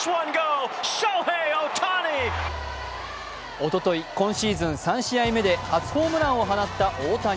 おととい、今シーズン３試合目で初ホームランを放った大谷。